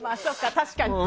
確かに。